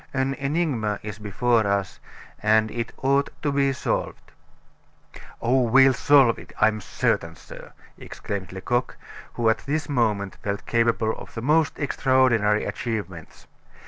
An enigma is before us; and it ought to be solved." "Oh! we'll solve it, I am certain, sir," exclaimed Lecoq, who at this moment felt capable of the most extraordinary achievements.